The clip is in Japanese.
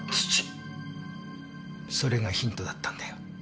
それがヒントだったんだよ。